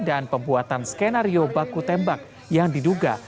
pembuatan skenario baku tembak yang diduga